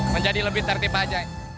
menjadi lebih tertib aja